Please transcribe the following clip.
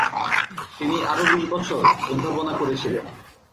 তিনি আরও বিশ বছর অধ্যাপনা করেছিলেন।